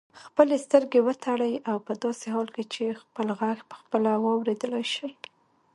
خپلې سترګې وتړئ او په داسې حال کې چې خپل غږ پخپله واورېدلای شئ.